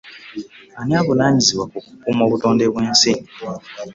Ani avunaanyizibwa ku kukuuma obutonde bw'ensi.